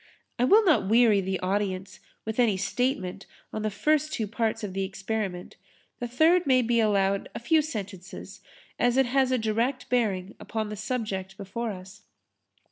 I will not weary the audience with any statement on the first two parts of the experiment. The third may be allowed a few sentences as it has a direct bearing upon the subject before us.